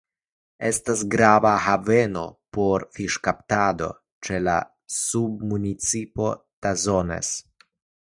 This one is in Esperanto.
Estas grava haveno por fiŝkaptado ĉe la submunicipo Tazones.